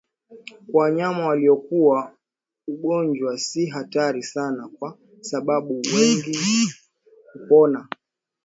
Kwa wanyama waliokua ugonjwa si hatari sana kwa sababu wengi hupona